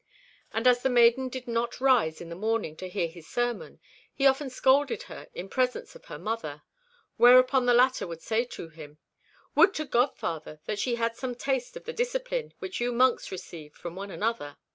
And as the maiden did not rise in the morning to hear his sermon, he often scolded her in presence of her mother, whereupon the latter would say to him "Would to God, father, that she had some taste of the discipline which you monks receive from one another."